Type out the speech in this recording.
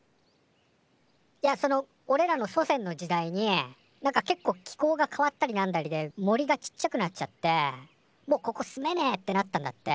いやそのおれらの祖先の時代になんかけっこう気候が変わったりなんだりで森がちっちゃくなっちゃってもうここ住めねえってなったんだって。